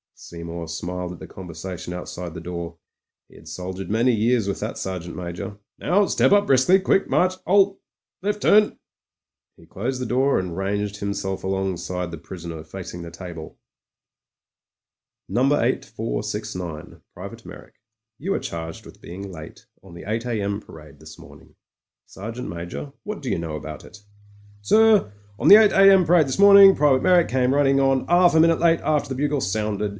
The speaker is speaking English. Seymour smiled at the conversation outside the door; he had soldiered many years with that Sergeant Major. "Now, step up briskly. Quick march. 'Alt Left turn." He closed the door and ranged himself alongside the prisoner facing the table. "No. 8469, Private Meyrick — ^you are charged with being late on the 8 a.m. parade this morning. Ser geant Major, what do you know about it?" "Sir, on the 8 a.m. parade this morning. Private Meyrick came running on 'alf a minute after the bugle sounded.